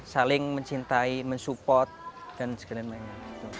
saling mencintai mensupport dan sebagainya